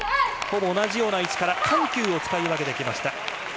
同じような位置から緩急を使い分けてきました。